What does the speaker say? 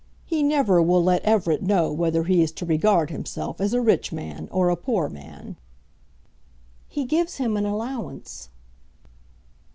He never will let Everett know whether he is to regard himself as a rich man or a poor man." "He gives him an allowance."